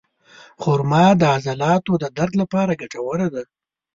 خرما د عضلاتو د درد لپاره ګټوره ده.